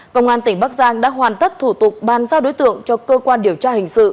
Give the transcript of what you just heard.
công an tỉnh bắc giang đã hoàn tất thủ tục bàn giao đối tượng cho cơ quan điều tra hình sự